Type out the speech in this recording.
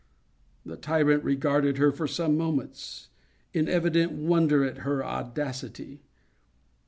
The tyrant regarded her, for some moments, in evident wonder at her audacity.